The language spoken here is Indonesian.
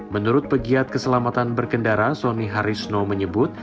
menurut pegiat keselamatan berkendara sonny harisno menyebut